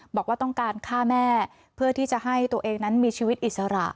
บอกว่าต้องการฆ่าแม่เพื่อที่จะให้ตัวเองนั้นมีชีวิตอิสระ